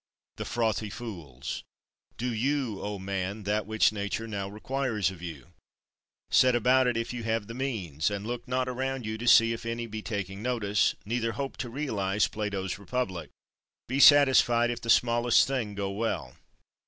The frothy fools! Do you, O man! that which Nature now requires of you. Set about it if you have the means; and look not around you to see if any be taking notice, neither hope to realize Plato's Republic. Be satisfied if the smallest thing go well.